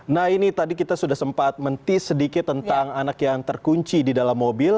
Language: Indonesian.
nah ini tadi kita sudah sempat mentis sedikit tentang anak yang terkunci di dalam mobil